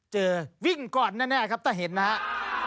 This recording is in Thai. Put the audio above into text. วิ่งก่อนแน่ครับถ้าเห็นนะครับ